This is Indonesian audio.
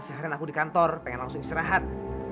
seharian aku di kantor pengen langsung istirahat